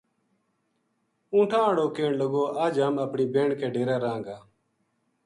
اونٹھاں ہاڑو کہن لگو اج ہم اپنی بہن کے ڈیرے رہاں گا